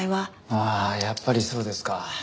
ああやっぱりそうですか。